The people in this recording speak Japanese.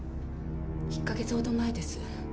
１カ月ほど前です。